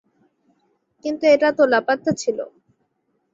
কিন্তু এটা তো লাপাত্তা ছিল!